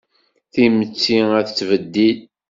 Timetti a tettbeddil